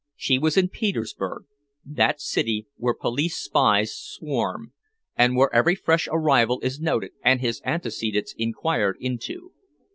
She was in Petersburg, that city where police spies swarm, and where every fresh arrival is noted and his antecedents inquired into.